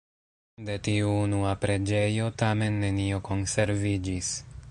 De tiu unua preĝejo tamen nenio konserviĝis.